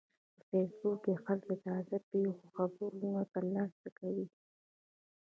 په فېسبوک کې خلک د تازه پیښو خبرونه ترلاسه کوي